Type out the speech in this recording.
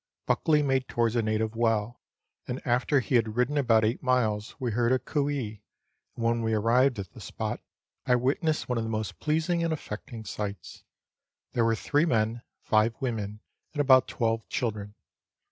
Buckley made towards a native well, and after he had ridden about eight miles we heard a cooey, and when we arrived at the spot I wit nessed one of the most pleasing and affecting sights. There were three men, five women, and about twelve children.